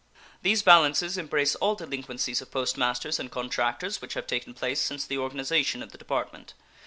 These balances embrace all delinquencies of post masters and contractors which have taken place since the organization of the Department.